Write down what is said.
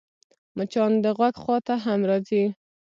مچان د غوږ خوا ته هم راځي